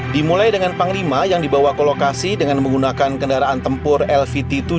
dimulai dengan panglima yang dibawa ke lokasi dengan menggunakan kendaraan tempur lvt tujuh